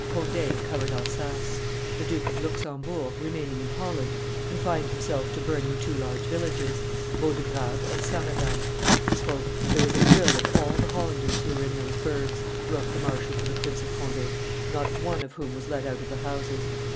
Conde covered Alsace; the Duke of Luxembourg, remaining in Holland, confined himself to burning two large villages Bodegrave and Saammerdam. "There was a grill of all the Hollanders who were in those burghs," wrote the marshal to the Prince of Conde, "not one of whom was let out of the houses.